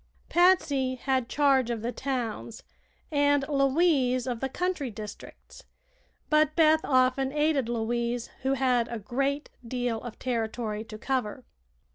Patsy had charge of the towns and Louise of the country districts, but Beth often aided Louise, who had a great deal of territory to cover.